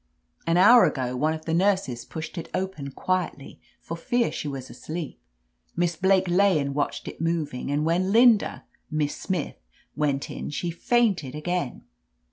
An hour ago one of the nurses pushed it open quietly, for fear she was asleep. Miss Blake lay and watched it moving, and when Linda — Miss Smith went in, she fainted again."